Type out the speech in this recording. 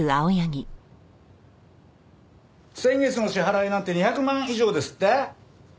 先月の支払いなんて２００万以上ですって？